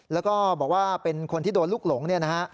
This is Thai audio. แล้วก็บอกว่าเป็นคนที่โดนลูกหลง